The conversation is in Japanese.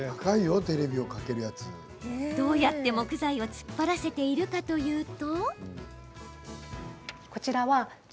どうやって木材を突っ張らせているかというと。